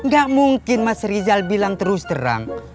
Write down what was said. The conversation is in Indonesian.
gak mungkin mas rizal bilang terus terang